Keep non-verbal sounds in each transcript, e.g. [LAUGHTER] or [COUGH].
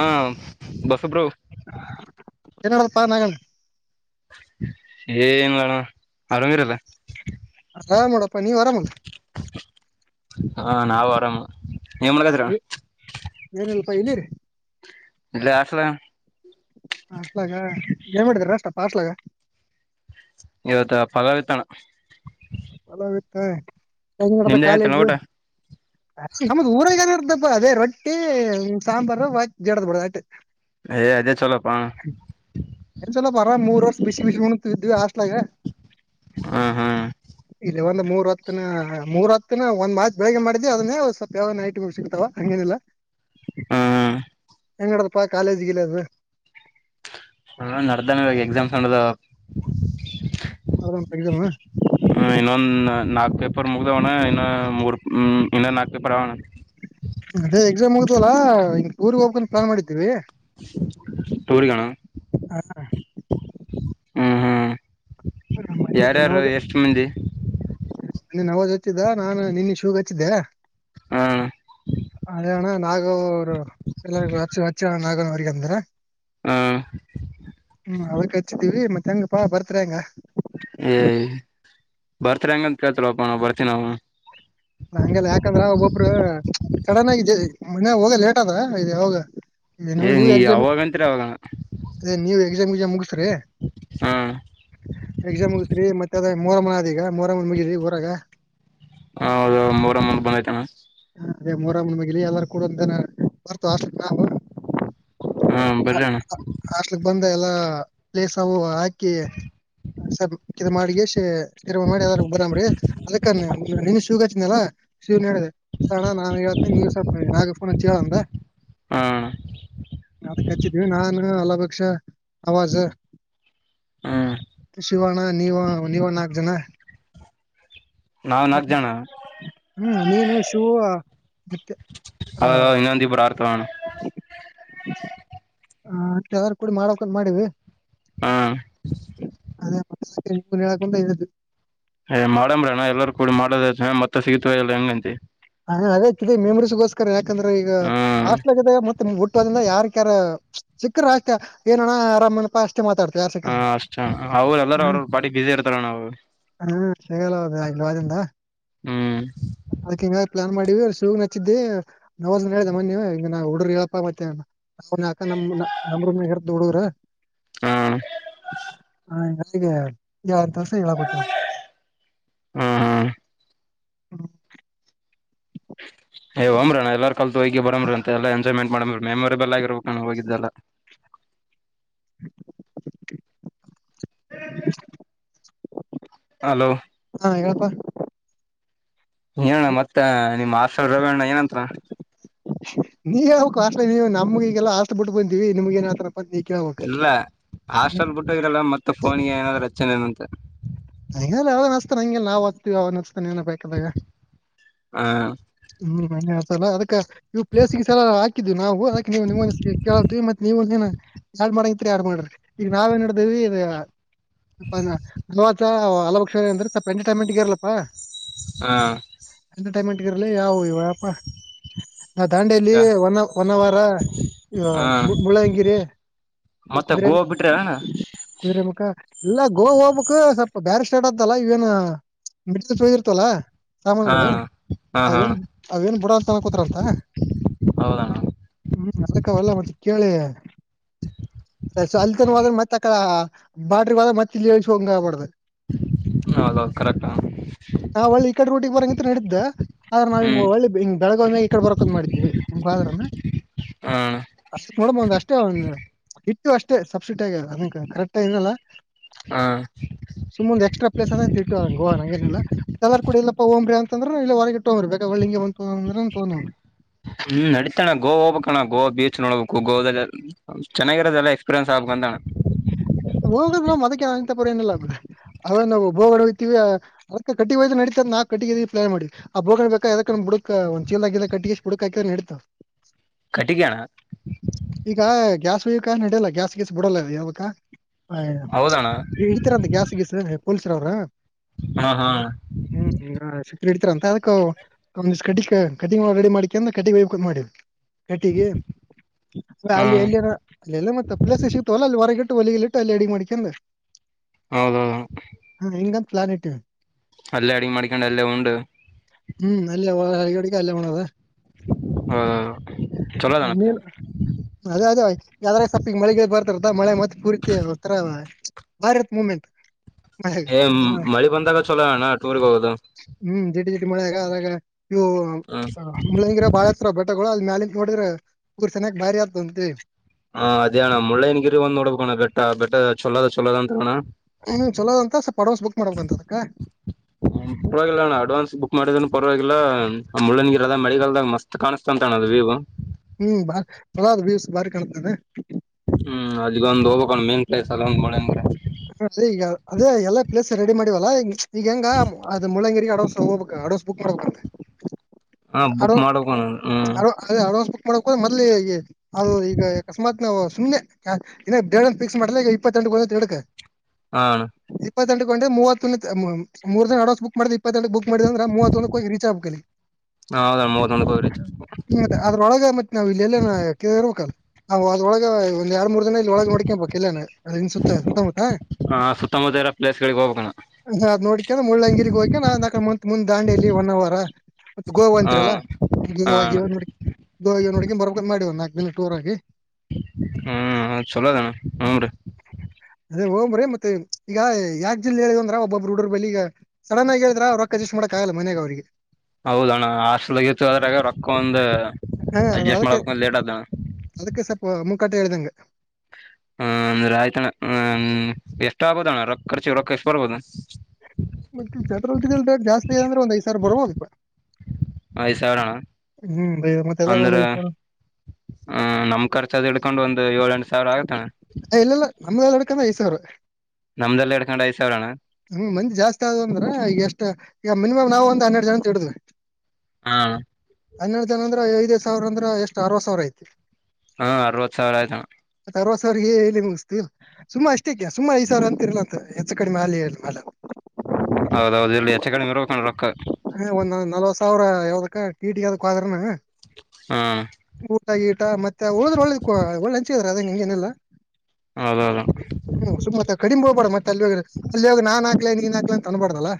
ಹಾ ಬಸುಪ್ರ್ ಏನ ಮಾಡಡಪ್ಪಾ ನಾಗಣ್ಣ ಏನ್ ಮಾಡಣ ಆರಾಮಿರಲ್ಲ ಆರಾಮಡಪ್ಪ ನೀವ್ ಆರಾಮಲ್ಲ ಹಾ ನಾವು ಆರಾಮ್ ನೀವು ಏನ್ ಮಾಡಕ್ಕತ್ರಾನ್ ಏನಲ್ಪಾ ಏಲಿರಿ ಇಲ್ಲೆ ಹಾಸ್ಟೆಲ್ನ ಹಸ್ಲಾಗ ಏಮ್ ಹಡತಾರ ಅಷ್ಟ ಪಸ್ಲಾಗ ಇವತ್ತ ಪಲವ್ ವಿತ್ತಣ ಲತ್ತ ಎಂಗ ನಡದ ನಿಮ್ದ ಏನೈತಣ ಕಾಲೇಜು ಊಟ ನಮ್ದ ಊರಾಗನ ಇರ್ದಪ್ಪ ಅದೇ ರೊಟ್ಟಿ ಸಾಂಬಾರ ಜಡದ ಬಿಡಟ ಏ ಅದೇ ಚಲೋಪ್ಪ ಏನ್ ಚಲ ಪರ ಮೂರ್ ವರ್ಷ ಬಿಸಿ ಬಿಸಿ ಉಣ ಇದ್ವಿ ಹಾಸ್ಲಾಗ ಹ್ಮ್ ಹ್ಮ್ ಇ ಮೂರ್ ಹತ್ತ ನ ಮೂರ್ ಹತ್ತನ ಒಂದ್ ಮಾತ್ ಬೆಳಿಗ್ಗೆ ಮಾಡಿದ್ದಿ ಅದನ್ನೇ ಸ್ವಲ್ಪ ಯಾವ ಐಟಮ ಸಿಗ್ತಾವ ಹಂಗೇನಿಲ್ಲ ಹ್ಮ್ ಹ್ಮ್ ಎಂಗಡಪ್ಪಾ ಕಾಲೇಜ್ ಗಿಲೇಜ್ ಹ ನಡ್ದಾನ ಇಗ ಎಕ್ಸಾಮ್ಸ್ ನಡ್ದವ [UNINTELLIGIBLE] ಹ್ಮ ಇನ್ನೊಂದ ನಾಕ್ ಪೇಪರ್ ಮುಗ್ದವಣ್ಣ ಇನ್ನೊ ಮೂರ್ ಹ್ಮ್ ಇನ್ನ ನಕ್ ಪೇಪರ್ ಅದಾವಣ ಅದೇ ಎಕ್ಸಾಮ್ ಮುಗ್ದಾವಲ್ಲ ಟೂರ್ಗ್ ಹೋಗ್ಬೇಕಂತ ಪ್ಲಾನ್ ಮಾಡಿದ್ದೀವಿ ಟೂರಿಗಿ ಗಾಣ [UNINTELLIGIBLE] ಯಾರ್ಯಾರು ಎಷ್ಟ್ ಮಂದಿ [UNINTELLIGIBLE] ಹ್ಮ್ ಅದಣ ನಾಗರು ಎಲ್ಲ ನಾಗನ ಅವಗ ಅಂದ್ರ ಹ್ಮ್ ಅವ ಹಚ್ಚೀವಿ ಮತ್ತೆ ಹೆಂಗ ಪಾ ಬರ್ತ್ ಹೆಂಗ ಏ ಬರ್ತರಿ ಹಂಗಂತ ಕೇಳ್ತಲ್ಪ್ಪ ನಾವು ಬರ್ತೀ ನವು ಹಂಗೆಲ್ಲ ಯಕಂದ್ರ ಒಬ್ಬೊಬ್ರು ಸಡನ್ ಆಗಿ ಮನ್ಗ ಹೋಗ ಲೇಟ್ ಆದ ಇ ಅವಾಗ ಏ ನೀ ಯಾವಾಗಂತೀರ ಅವಾಗಣ [UNINTELLIGIBLE] [UNINTELLIGIBLE] ಹ್ಮ್ ಮೂರ ಮನ ಆದ ಈಗ ಮರ ಮನ ಮುಗಿದರಿ ಊರಾಗ ಹೌದು ಮೂರ ಮೂರ್ ಬಂದೈತಾನ ಅದೇ ಮೊರಮ್ಮಣ ಮಗಿಲಿ ಎಲ್ಲಾರ ಕೂಡ ಒಂದನ ಬರ್ತು ಆ ನಾವು ಹಾ ಬರಿ ಅಣ ಹಾಸ್ಟ್ಲಿಕ್ ಬಂದ ಎಲ್ಲಾ ಪ್ಲೇಸ್ವು ಹಾಕಿ ಇ ಮಾಡಿಗೆಸಿ ರ್ ಮಾಡಿ ಅದಾರ ಬರಾಮಿ ಅದಕ್ಕ ನಿನ್ ಶೂಗಾಚಿನಲ್ಲಾ ಶನ್ ಹೇಳಿದೆ ಸಣ ನಾನ್ ಹೇಳ್ತೇನೆ ನೀವ್ ಸ್ವಲ್ಪ ನಾಗ ಫೋನ್ ಹಚ್ಚಿ ಹೇಳಂದ ಹ ಅಣ್ಣ ನದಕ್ ನಾನ ಅಲಪಕ್ಷ ಆವಾಜ ಹ್ಮ್ ಶಿವನಣ್ಣ ನೀವು ನೀವ ನಾಕು ಜನ ನಾವ್ ನಾಕ್ ಜನ ಹ್ಮ್ ನೀನು ಶೂ ಮತ್ತೆ ಹ ಇನ್ನೊಂದ ಇಬ್ರು ಆರ್ತವ ಅಣ್ಣ ಹ ಯಾರ ಕೂಡಿ ಮಾಡಕ ಮಾಡಿವಿ ಹ [UNINTELLIGIBLE] ಯ್ ಮಾಡಂಬ್ರಣ ಎಲ್ಲರ ಕೂಡಿ ಮಾಡೋದ ಮತ್ತತ್ ಸಿಗತ್ವ ಎಲ್ಲಾ ಹೆಂಗಂತಿ ಹ ಅದೇ ಮೆಮರೀಸ್ಗೋಸ್ಕರ ಯಾಕಂದ್ರೆ ಈಗ ಹ್ಮ್ ಹಾಸ್ಲ ಮತ್ತ ಹುಟ್ಟೋದ್ರ ಯಾರಕ್ ಯಾರ ಸಿಕ್ಕ್ರ ಆಗ್ತ ಏನಣ್ಣ ಆರಾಮ್ನಪಾ ಅ ಹ ಅಷ್ಟ ಅವ್ರ ಎಲ್ಲಾರ ಅವ್ರ ಬಾಡಿ ಬ್ಯುಸಿ ಇರ್ತಾರ ನಾವು ಸೆಗಾಲ ಹೌದ ಇಲ್ ಅದಿಂದ ಹ್ಮ್ ಅದಕ್ ಹಿಂಗ ಪ್ಲಾನ್ ಮಾಡಿವ ಶೂಗ್ ನಚ್ಚಿದ್ದಿ ನವರ್ ಹೇಳೆ ಮನ್ನಿ ಹುಡರು ಹೇಳಪ್ಪ ಮತ್ತೆ ನಕ ನಮ ನಮ್ರಾರ ದೊಡ್ಡೋರ ಹ್ಮ್ ಹಾಗೆ ಯಾರ ತಸ ಹೇಳಾಗುತ್ತ ಹ್ಮ್ ಏ್ ಅನಾ ಎಲ್ಲಾರ ಕಲ್ತ ಹೋಗಿ ಬರ್ರ ಅಂತೆ ಎಲ್ಲ ಎ ಟ್ ಮಾಡ ಮೆಮೊರೇಬಲ್ ಆಗಿರ್ಬೇಕು ನು ಹೋಗಿದ್ದೆಲ್ಲ ಹಲೋ [INAUDIBLE] ಹಾ ಹೇಳಪ್ಪಾ ಏಣ್ಣ ಮತ್ತ ನಿಮ್ಮ್ ಆಸ್ ರವೇಣ್ಣ ನೀ ಯಕ ಅಷ್ಟ ನೀವು ನಮ್ಗಗೆಲ್ಲ ಆಸ್ತ ಬಿಟ್ಟು ಬಂತೀವಿ ನಿಮ್ಗ ಏನತ್ರ ಇಲ್ಲ ಹಾಸ್ಟೆಲ್ ಬಿಟ್ಟ ಇರಲ್ಲ ಮತ್ತೆ ಫೋನ್ಗೆ ಏನಾದ್ರು ಅಚ್ಚನ್ ಏನಂತ ಹ ಅವ ಅ್ತ ಹಂಗೆ ನಾವು ಹಾತೀವಿ ಅವನ ನ ಬಾಯ್ಕಲ್ಲ ಹ ಹ್ಮ ಮ ಅದಕ್ಕೆ ಇವು ಪ್ಲೇಸ್ ಸ ಹಾಕಿದ್ವಿ ನಾವುದಕ್ಕೆ ನೀವು ಕೇಳೀವಿ ಮತ್ತ ನೀವು ಮಾಡಂಗತ್ ಯಾರು ಮಾಡ್ರಿ ಈಗ ನಾವ ನ್ ಮಾಡಡಿದೇವಿ ಇ ಹಲಭಕ್ಷ ಅಂದ್ರೆ ಸ್ವಲ್ಪ ಎಂಟರ್ಟೈನ್ಮೆಂಟ್ಗ ಇರಲ್ಲಪ್ಪಾ ಹ ಮೆಂಟ್ಗಿರ್ಲಿ ಯಾವವು ಇವಪ ನಾ ದಾಂಡೇಲಿ ಒ ಒನ ವಾರ ಹ ಮುಳ್ಳಂಗಿರಿ ಮತ್ತೆ ಕುದ್ರೆ ಗೋವಾ ಮುಕ್ಕ ಬಿಟ್ರಿ ಅಣ್ಣ ಕುುದುರೆ ಮುಖ ಇಲ್ಲ ಗೋ ಹಬಕ್ ಸ್ವಲ್ಪ ಬ್ಯಾರಿಸ್ಟೇಡ್ ಅತ್ತಲ್ಲ ಇವೇನ ಬಿಡ ಚಿರ್ತಲ್ಲ ಹ ಸಾಮನ್ಗಳು ಹಾ ಹಾ ಅವೇನ್ ಅವೇನ್ ಬುಡ ಅಂತ ಕೋತಾರಂತ ಹೌದಣ್ಣ ಹ್ಮ್ ಅರಕವಲ್ಲ ಮತ್ತೆ ಕೇಳ ಅಲ್ತನ್ದ ಮತ್ತೆ ಅ ಬಾಟ್ರ ಹದ ಮತ್ತ ಇಲ್ಲಿ ಹಂಗ ಆಬಾರ್ದ ಹೌದೌದು ಕರೆಕ್ಟಾ ನಾವ್ ಒಳ್ಳಿ ಈ ಕಡೆ ರಊಟಿಗೆ ಬರಂಗಿಂತ ನಡಿದ್ದ್ದ ಆದ್ರ ಹ್ಮ್ ನಾವಿಂಗ ಒಳ್ಳಿ ಹಿ ಬೆಳಗಾವಿ ಮಾಗ ಈ ಕಡೆ ಬರಕದ್ ಮಾಡಿದ್ದೀವಿ ನಿಮ್ಫಾದರ್ನ [INAUDIBLE] ನೋಡ್ಬಂದ ಅಷ್ಟೇ ಒ ನೀವು ಅಷ್ಟೇ ಸಬ್ಸಿಡಿ ಆಗ ಅದ ಕರೆಕ್ಟ ನಲ್ಲ ಹಾ ಸುಮ್ಮ್ ಎಕ್ಸ್ರ ಪ್ಲೇಸ್ ಅಂತ ಇಟ್ಟ ಗೋವ ಹಂಗೇನಿಲ್ಲ ಕೂಡ ಇಲ್ಲಪ್ಪ ಓ್ರ ಅಂತ ಅಂದ್ರ ಇಲ್ಲ ಹೊರಗಟ್ಟ್ರ್ಬೇಕ ಒಳ್ಳಿಗೆ ಹ್ಮ್ ನಡತಣ ಗೋವಾ ಹಓಬಕ್ಕಣ ಗೋವಾ ಬೀಚ್ ನೋಡ್ಬೇಕು ಗೋ ಚೆನ್ನಾಗಿರದದೆಲ್ಲ ಎಕ್ಸ್ಪೀರಿಯನ್ಸ್ ಆಗ್ಬೇಕು ಅಂತಣ ನಂತ ಪರ ಲ್ಲುದು ಅವ ನಾವುಬ್ ಹೊಡ ಹಯ್ತಿವಿ ಅದಕ್ಕೆ ಕಟ್ಟಿ ಹಯ ನಡತ ನಾ ಕಟ್ಟಿ ಪ್ಲಾನ್ ಮಾಡ ಆ ಬೋಗಣ್ ಬಾ ಯದಕ ಬುಕ್ ಒಂದ ಚೀಲ್ ಆಕಿದ ಕಟ್ಟಿ ಎಷ್ಟ ಬುಕಕ್ಕಿದ ಹಿಡ್ತ ಕಟ್ಟಿಗೆಣ ಈಗ ಗ್ಯಾಸ್ ಹಯಕ ನಡೆಯಲ್ಲ ಗ್ಯಾಸ್ ಗಿಸ್ ಬಿಡಲ್ಲ ಯಾವತ್ತ ಆಯ ಹೌದಣ್ಣ ಇತೀರ ಅಂತ ಗ್ಯಾಸ್ ಗೀಸ್ ಪೊಲೀಸರ ಅವ್ರ ಹಾ ಹಾ ಹ್ಮ್ ಇಡ್ತರ ಅಂತ ಅದಕ್ಕ ಕಿ ಕಟಿಂಗ್ ರೆಡಿ ಮಾಡಿಕ ಅಂದ್ರ ಕಟಿಂಗ ಮಾಡವಿ ಕಟ್ಟಿಗೆ ಅ ಹಾ ಎ ಅಲ್ಲ ಮತ್ತೆ ಪ್ಲಸ್ ಸಿಕ್ತವಲ್ಲ ಅಲ್ಲಿ ಹೊರಗಿಟ್ಟು ಹೊಲಗಲಿ ಇಟ್ಟು ಅಲ್ಲಿ ಅಡಗೆ ಮಾಡ್ಕಂದ ಹೌದೌದು ಹ್ಮ ಇಂಗ್ ಪ್ಲಾನೆಟ್ ಅಲ್ಲೇ ಅಡಗೆ ಮಾಡ್ಕೊಂಡು ಅಲ್ಲೇ ಉಂಡು ಹ್ಮ್ ಅಲ್ಲೇಗಡಿಗೆ ಅಲ್ಲೇ ಮಾಡೋದ ಹೌ ಚಲೋ ಆದಣ್ಣ ನೀನ್ ಪ್ಲಾನ್. ಅದೇ ಅದೇ ಈಗ್ ಸ್ವಲ್ಪ್ ಮಳಿ ಗಿಳಿ ಬರ್ತೀತದ ಮಳೆಗಾ ಮತ್ ಪೂರ್ತಿ ಒಂತರ. ಬಾರಿ ಇರ್ತದ ಮೂಮೆಂಟ್. ಮಳೆಯಾಗ ಏ ಮಳಿ ಬಂದಾಗ ಚಲೋ ಅಣ್ಣ ಟೂರ್ಗೆ ಹೋಗೋದು. ಮಳಗ ಇವು ಹ್ಮ್ ಮುಳಂಗಿರ ಬಾಳ ಎತ್ತರ ಅವ ಬೆಟ್ಟಗಳು ಅಲ್ಲಿ ಮ್ಯಾಲ ಇಂತ ನೋಡಿದ್ರೆ [UNINTELLIGIBLE] ಹಾ ಅದೇ ಅಣ ಮುಳ್ಳಯ್ಯನ ಗಿರಿ ಒಂದ್ ನೋಡಬೇಕು ಅಣ್ಣ ಬೆಟ್ಟ ಬೆಟ್ಟ ಚೊಲದ ಚೊಲದ ಆದ ಅಂತಾರಣ್ಣ. ಹ್ಮ ಚಲೋದ ಅಂತ ಸ್ವಲ್ಪ ಅಡ್ವಾನ್ಸ್ ಬುಕ್ ಮಾಡ್ಬೇಕಂತ ಅದಕ್ಕ. ಹ ಪರವಾಗಿಲ್ಲ ನಣ್ಣ ಅಡ್ವಾನ್ಸ್ ಬುಕ್ ಮಾಡಿದ್ರನು ಪರವಾಗಿಲ್ಲ ಆ ಮುಳ್ಳಯ್ಯನ ಗಿ ಇದ ಮಳೆಗಾಲ್ದಗ ಮಸ್ತ್ ಕಾಣಿಸ್ತಂತ ಅದು ವಿವು. ಹ್ಮ್ ಬಾ ಚಲೋ ಅದ ವಿವ್ಸ್ ಬಾರಿ ಕಣ್ತದಡು. ಹ್ಮ್ ಅದ್ಗೊಂದು ಹೋಗಕೊಂಡ್ ಮೇನ್ ಪ್ಲೇಸ್ ಅಲ್ಲ ಒಂದ್ ಮಳೆ ಅಂದ್ರೆ. ವಲ್ಲ ಈಗ ಹೆಂಗ ಅದ ಮುಳ್ಳಂಗಿರಿ ಅಡ್ವಾನ್ಸ್ ಎಂಗ್ ಹೋಗಬೇಕ ಅಡ್ವಾನ್ಸ್ ಬುಕ್ ಮಾಡ್ಬೇಕಂತ. ಹಾ ಬುಕ್ ಅಡು ಮಾಡ್ಬೇಕಣ ಹ್ಮ್ ಅಡ ಅದೇ ಅಡ್ವಾನ್ಸ್ ಬುಕ್ ಮಾಡಬೇಕು ಮೊದ್ಲಿ ಈ ಅದು ಈಗ ಅಕಸ್ಮಾತ್ ನಾವು. ಸುಮ್ನೆ ಇನ್ನ ಡೇಟ್ ಫಿಕ್ಸ್ ಮಾಡಿದಾಗ ಈ ಇಪ್ಪತ್ತೆಂಟು ಹೋಗ್ತೀವಿ ಅಂತ ಇಟಕ. ಹ್ಹಾ. ಇಪ್ಪತ್ತೆಂಟಕ ಹೊಂಟ್ರೆ ಮೂರ್ ದಿನ ಅಡ್ವಾನ್ಸ್ ಬುಕ್ ಮಾಡ ಇಪ್ಪತ್ತೆಂಟಕ ಬುಕ್ ಮಾಡಿದಂದ್ರೆ ಮೂವತ್ತೊಂದ ಹೋಗಿ ರೀಚ್ ಆಗ್ಬೇಕು ಅಲ್ಗಿ. ಹೌದಣ ಮೂವತ್ತೊಂದಕ್ಕೆ ಹೋಗ್ರೈತಿ ಹ ಮತ್ತ ಅದ್ರೊಳಗ ಮತ್ತ. ನಾವ್ ಇಲ್ಲ ಎಲ್ಲ ಇರ್ಬೇಕಲ್. ಹ ಅದರೊಳಗ ಒಂದ ಎರಡ್ ಮೂರ್ ದಿನ ಇ ಒಳಗ್ ನೋಡ್ಕೇಬೇಕು ಬೇಕು ಇಲ್ಲ ಎಲ್ಯನ ಸುತ್ತ ಸುತ್ತಮುತ್ತ. ಹಾ ಸುತ್ತಮುತ್ತ ಇರ ಪ್ಲೇಸ್ಗಳಿಗೆ ಹೋಗಬೇಕಣ. ಹದ ನೋಡಕಂದ್ರ ಮುಳ್ಳಂಗಿರಿಗೆಗ್ ಹೋಗಿ ನಾತ್ಂದ ದಾಂಡಿಯಲ್ಲಿ ಒನ್ ಅವರ ಮತ್ತ ಗೋವಾ ಹಾ ಅಂತೀರಲ್ಲ ಹಾ ಅಣ್ಣ ಗೋ ಗೋ ನೋಡ ಮಾಡಡಿ ಒಂದು ನಲ್ಕ ದಿನ ಟೂರ್ಗಿ ಹ್ಮ್್ ಚಲೋದಣ ಹನ್್ರರಿ ಅ ಓ್ರ ಮತ್ತ ಈಗ ಯಾಕ ಜಿಲ್ಲೆ ಹೇಳಿದಂದ್ರ ಒಬ್ಬಬ್ ರೂಡ್ರ್ ಬ ಈಗ ಸನ್ ಆಗಿ ಹೇಳಿದ್ರಜಸ್ಟ್ ಮಾಡಕ ಲ್ಲ ಮನೆಗೆ ಅವ್ರಿಗೆ ಹೌದಣ್ಣ ಹಾಸ್ಟಲ್ಗ ಇತ್ತು ಅದ್ರಾಗ ರೊಕ್ಕ ಒಂದು್ ಹಾ ಅದ್ ಅಡ್ಜಸ್ಟ್ ಅದಕ್ಕೆ ಮಾಡಬೇಕಂದ ಲೇಟ್ ಆದಣ್ಣ ಅದಕ್ಕೆ ಸ್ವಲ್ಪ ಮುಖಾಟ ಹೇಳಿದಂಗ ಅಂದ್ರೆ ಆಯ್ತಣ್ಣ ಹ್ಮ್ ಎಷ್ಟ ಆಗಬೋುದಣ್ಣ ರೊ ಖರ್ಚಿ ರೊಕ್ಕ ಎಷ್ಟು ಬರ್ಬೋದು ಮತ್ತೆ ಪೆಟ್ರೋಲ್ ಡೀಸೆಲ್ ರೇಟ್ ಜಾಸ್ತಿ ಅಂದ್ರೆ ಒಂದ್ ಐ್ ಸಾವರ ಬರ್ಬೋದು ಐದು ಸಾವಿರಣ್ಣ ಮತ್ತೆ ಎಲ್ಲಾರ ಅಂದ್ರ ಒಂದ್ ಐದ್ ಸಾವಿರ ಅ ನಮ ಖರ್ಚ ಅದು ಹಡ್ಕೊಂಡುಂತ ಏಳ ಎಂಟು ಸಾವಿರ ಆಗತಾನ ಇನು ಯೆದುಕ್ ಐದು ಸಾವಿರ ನಮ್ದಲ್ಲಿ ಎಡ್ಕೊಂಡ್ ಐದ ಸಾವಿರ್ಣ ಹ್ಮ್ ಮಂದಿ ಜಾಸ್ತಿ ಆದ ಅಂದ್ರ ಈಗ ಎಷ್ಟ ಈಗ ಮಿನಿಮ್ ನಾವವು ಒಂದ ಹನ್ನೆರಡು ಜನ ತಿಡಿದ್ವಿ ಹಾ ಹನ್ನೆರಡು ಜನ ಅಂದ್ರೆ ಐದದು ಸಾವಿರ ಅಂದ್ರ ಎಷ್ಟ್ ಅರ್ವ ಸಾವಿರ ಐತಿ ಹಾ ಅರವತ್ ಸಾವಿರ ಆಯ್ತಾ ಸರ್ವ ಸಾರಿಗೆ ಹೇಳಿ ಮುಗ್ತೀವಿ ಸುಮಾ ಅಷ್ಟಕ್ಕೆ ಸುಮಾ ಐದು ಸಿರ ಅಂತಿರ್ಲ ಅಂತ ಹೆಚ್ಚು ಕಡೆಮ ಮಾಾಲ ಹೇಳಿ ಹಾಲಕ್ಕಿ ಪರಕ ಹ ಒಂದ್್ ನಲ್ವತ್ ಸಾವಿರ ಯಾವ್ದದಕ್ಕ ಕೀಟಿ ಅದಕ್ಕ ಆದ್ರನ ಹ್ಮ್ ಊಟ ಈಟ ಮತ್ತೆ ಉಳಿದ್ರ ಒಳ್ಳದ ಒಳ್ಳಂಚ್ರ ಅದ ನಿಂ್ಗೆಏನೆಲ್ಲಾ ಹೌದೌದು ಹ್ಮ್ ಸು ಮತ್ತ ಕಡಿಮೆ ಹೋಗ್ಬೇಡ ಮತ್ತೆ ಅಲ್ಲಿ ಅಲ್ಲಿಯಾಗ ನಾನ್ ನೀನ್ ಹಾಕ್ಲಂತ ತಂದಬಾರ್ದಲ್ಲ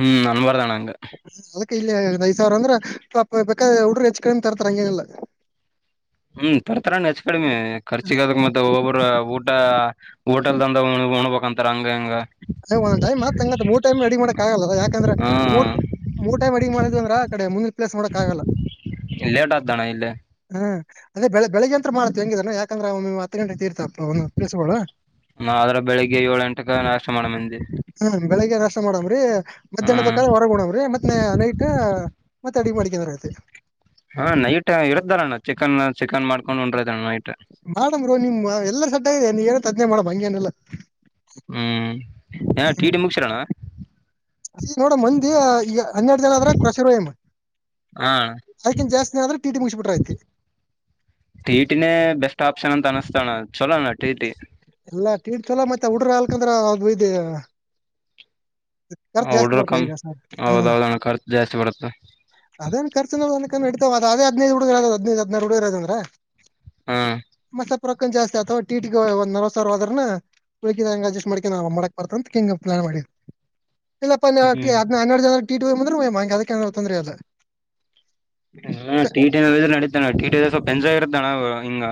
ಹ್ಮ್ ನನ್ವರದಾನ ಅಂಗ ಅದಕ್ಕೆ ಇಲ್ಲಿ ಐದ ಸಾವಿರ ಅಂದ್ರ ಬೇಕಾದ ಹುಡ್ರ ಹೆಚ್ ಕ ತರ್ತ್ರ ಹಂಗಂಗಲ್ಲ ಹ್ಮ್ ತರ್ತರ ಹೆಚ್ ಕಡಿಮೆ ಖರ್ಚಿಗಾದ್ರೆ ಮತ್ತೆ ಒಬ್ಬೊಬ್ಬರ ಊ ದ ಹೋಟೆಲ್ದಂದ ಉಣಬೇಕಂತಾರ ಹಂಗ ಹಿಂಗ. ಒಂದ್ ಟೖಮ್ ಆತ್ ಮೂರ್ಟೈಮ್ ರೆಡಿ ಮಾಡಕ್ ಆಗಲ್ಲ ಯಾಕಂದ್ರೆ ಮೂ ಹ್ಮ್ ಮೂರ್ ಟೈಮ್ ಅಡಿ ಮಾಡ್ ಅಂದ್ರ ಮುಂದಿನ ಪ್ಲೇಸ್ ಮಾಡಕ್ ಆಲ್ಲ. ಲೇಟ್ ಆದ್ದಣ ಇಲ್ಲೆ. ಅದೇ ಬೆಳ ಬೆಳಗ್ಗೆಂತ ಮಾಡತ್ ಹೆಂಗಿದಾನ ಯಕಂದ್ರೆ ಹತ್ ಗಂಟೆ ತ ಆದ್ರ ಬೆಳಿಗ್ಗೆ ಏಳ ಎಂಟಕ ನಾಷ್ಟ ಮಾಡಮ ಮಂದೆ. ಹ್ಮ್ ಬೆಳಿಗ್ಗೆ ನಾಷ್ಟ ಮಾಡಮ್ರೀ ಮಧ್ಯಾಹ್ನ ಬೇಕಾದೆ ಹೊರಗಡವ್ರಿ ಮತ್ತೆ ನೈಟು ತ್ ಅಡಿಗ್ ಮಾಡಕಂದರಾಯ್ತು. ಹಾ ನೈಟ್ ಹೇಳ್ದನಲ್ಲ ನಾನ್ ಚಿಕನ್ ಚಿಕನ್ ಮಾಡ್ಕೊಂಡು ಉಂದ್ರಣ ನೈಟು. ಮಾಡಮ್ ಗುರು ನಿಮ್ ಎಲ್ಲರ ಸಟ್ಟದೆ ನೀನ ಹೇಳತದ್ನೇ ಮಾಡಮ್ ಹಂಗೇನೆಲ್ಲಾ. ಹ್ಮ್ ಟಿ ಟಿ ಮುಗಸರೋಣ್ಣ. ನೋಡ ಮಂದಿ ಈಗ ಹನ್ನೆರಡು ಜನ ಆದ್ರ [UNINTELLIGIBLE] ಹಾ ಅದಕ್ಕಿನ್ ಜಾಸ್ತಿ ಆದ್ರ ಟಿಟಿ ಮುಗಿಸಬಿಟ್ರ ಐತಿ. ಟೀಟಿನೇ ಬೆಸ್ಟ್ ಆಪ್ಷನ್ ಅಂತ ಅನಿಸ್ ಎಲ್ಲ ಟೀಟ್ ಚಲೋ ಮತ್ತೆ ಹುಡ್ರ ಆಲ್ಕಂದ್ರ ಅ ಇದ ಖರ್ಚು ಜಾಸ್ತಿ ಹುಡ್ರ ಬರ್ತಾ ಕಮ್ ಈಗ ಸಾರ್ ಹ್ಮ. ಹೌದೌದಣ ಖರ್ಚು ಜಾಸ್ತಿ ಬರುತ್ತೆ ಅದೇನ್ ಖರ್ಚನೋ [UNINTELLIGIBLE] ಇಡ್ತಾವ ಅದಿನದು ಹುಡುಗರ ಅ ಹದ್ನೖದು ಹುಡುರದ್ರ ಹದ್ನೖದ್ ಹದ್ನಾರ್ ಹುಡುಗ್ರದಂದ್ರೆ. ಹ್ಮ ಪುರಕೊಂಡು ಜಾಸ್ತಿ ಅಥವಾ ಟೀಟಿ ಒಂದ ನಲ್ವ ಸಾವಿರ ಹೋದ್ರುನೂ. ಳಕಿದ ಅಡ್ಜಸ್ಟ್ ಮಾಡಕಿನ ಮಾಡಕ್ ಬರ್ತ ಅಂತ ಹಂಗ ಪ್ಲಾನ್ ಮಾಡ ಇಲ್ಲಪ್ಪ ನೀ ಅದ್ಕಿ ಹ್ಮ್ ಅದ್ನ ಹನ್ನೆರಡು ಜನರ ಟೀಟಿ [UNINTELLIGIBLE] ಅದಕ್ಕೆ ಏನಾರ್ ತೊಂದ್ರೆ ಅದ. ಇಲ್ಲ ಟಿಟಿ ನಡದ್ರ ನಡತಾನ ಟಿಟಿ ಎಂಜಾಯ್ ಇರುತ್ತಣ ಹಿಂಗ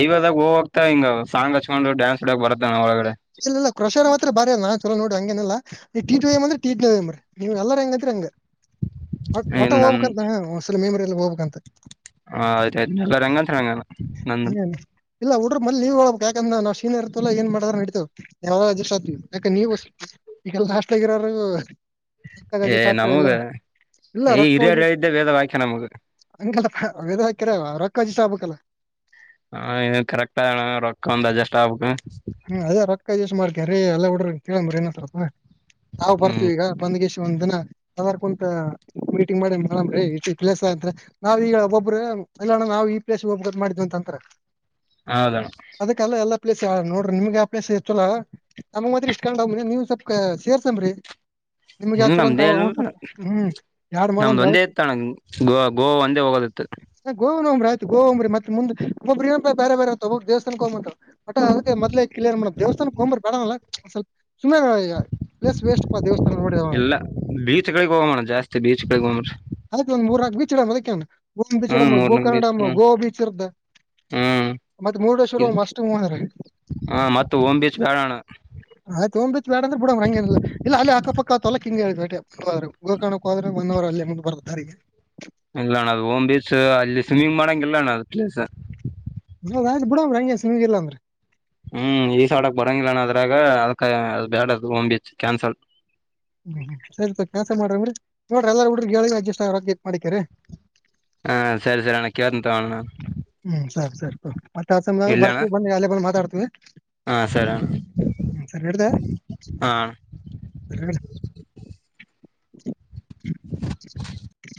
ಐವದಾಗ ಹೋಗತ ಹಿಂಗ ಸಾಂಗ್ ಹಚ್ಕೊಂಡು ಡ್ಯಾನ್ಸ್ ಆಡಕ್ ಬರತ್ತಣ ಒಳಗ. ಇಲ್ಲಿಲ್ಲ ಕ್ರಷರ ಮಾತ್ರ ಬಾದೆಯಲ್ಲ ನಾನ್ ಚಲೋ ನೋಡಿ ಹಂಗಏನಲ್ಲ ಟೀಟಿ ಅಂದ್ರ ಟೀಟಿನೇ ಮಾಡಿ. ನೀವ್ ಎಲ್ಲಾರ ಹೆಂಗೈತ್ರಿ ಹಂಗ ಒಟ ಒಟ್ಟಾಗ್ ನನ್ ಹೋಗ್ಬೇಕ್ಂತ ಒಂದ್ಸಲ [UNINTELLIGIBLE] ಎಲ್ಲಿ ಹೋಗ್ಬೇಕಂತ. ಹ ಆಯ್ತಾಯ್ತು ಎಲ್ಲರ್ ಹೆಂಗಂತಾರ್ ಹಂಗೆ. ಹ್ಮ್. ಇಲ್ಲ ಹುಡ್ರು ಮೊದಲ್ ನೀವ್ಳೇಬೇಕ್ ಯಾಕಂದ್ರ ನಾ ಸೀನಿಯರ್ತಲ್ಲನ ಏನ್ ಮಾಡ್ದ್ರು ನಡಿತವ್. ಯಾವಾಗ ಅಡ್ಜಸ್ಟ್ ಆಗ್ತವಿ ಯಾಕ ನೀವ ಈಗೆಲ್ಲ ಹಾಸ್ಟಲ್ಗಿರೋರೂ ರೊಕ್ಕ ಏ ಅಡ್ಜಷ್ಟ್ ನಮಗ ಆಗ್ತದೆಲ್ಲ ಇಲ್ಲ ಈ ಹಿರಿಯರ್ ರೊಕ್ಕವಾಗಿ ಹೇಳಿದ್ದೆ ವೇದ ವಾಕ್ಯ ನಮಗ ಅವದ ಹಾಕ್ಯರ ರೊಕ್ಕ ಅಡ್ಜೆಷ್ಟಾಗ್ಬೇಕಲ್ಲಾ. ಹಾ ಇದು ಕರೆಕ್ಟ್ ಆಗಣ ರೊಕ್ಕ ಒಂದ್ ಅಡ್ಜಸ್ಟ್ ಆಗ್ಬೇಕು. ಹ್ಮ ಅದೇ ರೊಕ್ಕ ಅಡ್ಜೆಷ್ಟ್ ಮಾಡ್ಕರಿ ಎಲ್ಲಾ ಹುಡ್ರು ಕೇಳನ್ ಬುಡಿ ಏನಂತಾರಪ್ಪ. ನಾವ್ ಹ್ಮ್ ಬರ್ತೀವಿ ಈಗ ಬಂದಗೇಶಿ ಒಂದ ದಿನ ಅದಾರ್ ಕುಂತ ಮೀಟಿಂಗ್ ಮಾಡಿ ಮಾಡಮ್ರಿ ಇಷ್ಟಿಷ್ಟ್ ಪ್ಲೇಸ್ ಅಂದ್ರೆ ನಾವ್ ಈಗ ಒಬ್ಬೊಬ್ರೇ ಇಲ್ಲ ನಾವು ಈ ಪ್ಲೇಸು [UNINTELLIGIBLE] ಮಾಡ್ದು ಅಂತಂತಾರೆ ಹೌದಣ ಅದ್ಕೆ ಅಲ್ಲೇ ಎಲ್ಲಾ ಪ್ಲೇಸ್ ನೋಡ್ ನಿಮ್ಗೆ ಅಪ್ಲೈ ಸೇರ್ತಲ್ಲಾ ನಮಗ್ ಮಾತ್ರ ಇಷ್ಟ ಕೊಂಡೋಗ ನೀವ್ ಸ್ವಲ್ಪ ಸೇರ್ಸಮ್ರಿ. ನಿಮ್ಗೆ ಯಾವ ಹ್ಮ್ ಚಲೊಂತ ನಮ್ದೇನ ಹ್ಮ್ ನಮ್ದ ಒಂದೇ ಇತ್ತಣ [UNINTELLIGIBLE] ಗೋ ಗೋ ಒಂದೇ ಹೋಗೋದಿತ್ತು ಹ ಗೋನ್ರಿ ಆಯ್ತ ಗೋಂಬ್ರಿ ಮತ್ ಮುಂದ ಒಬ್ಬರೇ ಬೇ ಬೇರೆ ಬೇರೆ ತೊಗು ದೇಸ್ಥಾನಕ್ [UNINTELLIGIBLE] ಮೊದಲೇ ಕ್ಲಿಯರ್ ಮಾಡ ದೇವಸ್ಥಾನಕ್ಕೆ ಹೊಂಬರ್ ಬೇಡ ಅನ್ನಲ್ಲ ಸಲ್ಪ್ ಸುಮ್ನೖ ವೇಸ್ ವೇಸ್ಟ್ಪ ದೇವಸ್ಥಾನ ನೋಡ ಇಲ್ಲ ಬೀಚ್ಗಳಿಗೆ ಹೋಗಮಣ ಜಾಸ್ತಿ ಬೀಚ್ಗಳಿಗೆ ಹೋಗಮ್ರಿ ಆಯ್ತು ಒಂದ್ ಮೂರ್ನಾಕ್ ಬೀಚಿಡಮ್ ಅದಕ್ಕೇನ್. ಒಂದ್ ಹ್ಮ್ ಬೀಚಿಡಮ್ಮ ಮೂರ್ನಾಕ್ ಬೀಚ್ ಗೋಕರ್ಣಮ್ಮ ಹ್ಮ್ ಗೋವಾ ಬೀಚ್ ಇರ್ತ. ಹ್ಮ್ ಮತ್ತೆ ಮೂರುಡೇಶ್ವರ ಅಷ್ಟು [UNINTELLIGIBLE] ಹ ಮತ್ತ ಓಮ್ ಬೀಚ್ ಬೇಡಣ ಅಯ್ತು ತಗ ಬೀಚ್ ಬೇಡಂದ್ರೆ ಬಿಡ ಹಂಗೇನ ಇಲ್ಲ ಇಲ್ಲ ಅಲ್ಲೇ ಹಾಕ ಪಕ್ಕ ತೋಲಕ್ಕಿಂಗೆ [UNINTELLIGIBLE] ಗೋಕರ್ಣಕ್ಕ ಹೋದ್ರ ಒನ್ ಅವರ್ ಅಲ್ಲೇ ಮುಂದ ಬರ್ ದಾರಿಗೆ. ಇಲ್ಲ ಅಣ್ಣ ಅದು ಓಮ್ ಬೀಚ್ ಅಲ್ಲಿ ಸ್ವಿಮ್ಮಿಂಗ್ ಮಾಡಂಗಿಲ್ಲಣ್ಣ ಅ ಪ್ಲೇಸ್. ಆಯ್ತು ಬಿಡ ಹಂಗೆ ಸ್ವಿಮ್ಮಿಂಗ್ ಇಲ್ಲಾಂದ್ರೆ. ಹ್ಮ್ ಈಸಾಡಕ್ ಬರಂಗಿಲ್ಲಾಣ ಅದ್ರಾಗ ಅದ್ಕೆ ಅದ್ ಬ್ಯಾಡ ಅದು ಹೋಂಬೀಚ್ ಕ್ಯಾನ್ಸಲ್. ಹ್ಮ್ ಸರಿ ಸ ಕೆಲ್ಸ ಮಾಡವ್ರಿ ನೋಡ್ರ ಎಲ್ಲಾರ ಹುಡ್ರುಗೇಳಿದ್ರೆ ಅಡ್ಜಸ್ಟ್ ಆಗತ್ ಮಾಡಿತ್ತೇರಿ. ಹಾ ಸರಿ ಸರಿ ಅಣ್ಣ ಕೇಳ್ತನ್ ತಗ ಅಣ್ಣ ಹ್ಮ್ ಸರಿ ಸರಿ ಮತ್ತ ಆ ಸಮಯ ಇಡ್ಲಣ್ಣ ಬರ್ತವಿ ಬನ್ನಿ ಅಲ್ಲ ಬಂದು ಮಾತಾಡ್ತೀವಿ ಹಾ ಸರಿ ಅಣ್ಣ ಹ್ಮ ಸರಿಡದ ಹಾ ಅಣ್ಣ ಹ್ಮ್